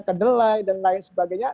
kedelai dan lain sebagainya